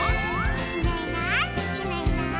「いないいないいないいない」